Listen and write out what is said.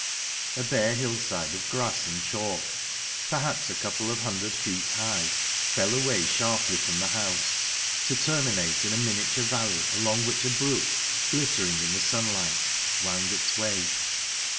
A bare hillside of grass and chalk, perhaps a couple of hundred feet high, fell away sharply from the house, to terminate in a miniature valley along which a brook, glittering in the sunlight, wound its way.